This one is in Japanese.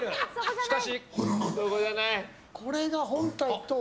しかし。